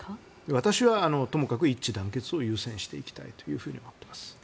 私はともかく一致団結していきたいと思っています。